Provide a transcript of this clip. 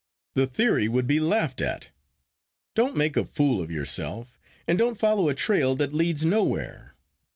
The theory would be laughed at. Don't make a fool of yourself, and don't follow a trail that leads nowhere.